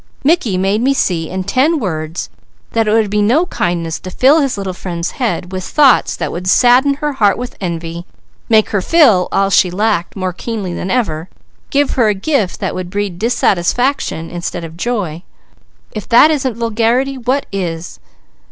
Mickey made me see in ten words that it would be no kindness to fill his little friend's head with thoughts that would sadden her heart with envy, make her feel all she lacked more keenly than ever; give her a gift that would breed dissatisfaction instead of joy; if that isn't vulgarity, what is?